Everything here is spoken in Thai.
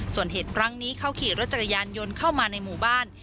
ส่วนเหตุครั้งนี้เขาขี่รถจักรยานยนต์เข้ามาในหมู่บ้าน